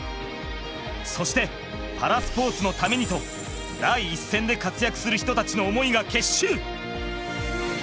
そしてパラスポーツのためにと第一線で活躍する人たちの思いが結集。